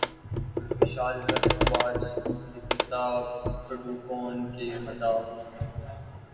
ویشال بھردواج دپیکا پڈوکون کے مداح